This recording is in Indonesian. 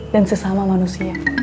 dan sesama manusia